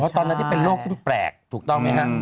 ตอนนั้นที่เป็นโรคซึ่งแปลกถูกต้องไหมฮะ